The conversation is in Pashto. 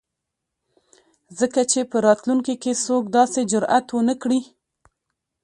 ځکه چې په راتلونکي ،کې څوک داسې جرات ونه کړي.